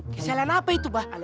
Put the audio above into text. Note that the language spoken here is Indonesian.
kesalahan apa itu mbak